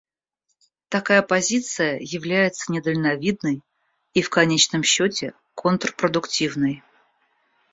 Такая позиция является недальновидной и в конечном счете контрпродуктивной.